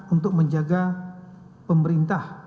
untuk menjaga pemerintah